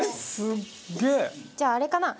じゃああれかな？